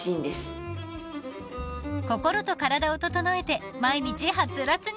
［心と体を整えて毎日ハツラツに］